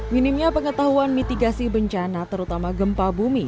minimnya pengetahuan mitigasi bencana terutama gempa bumi